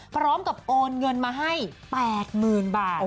พร้อมกับโอนเงินมาให้๘๐๐๐บาท